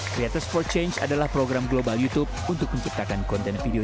creators for change adalah program global youtube untuk menciptakan konten video